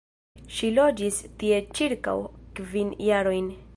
Ŝi loĝis tie ĉirkaŭ kvin jarojn.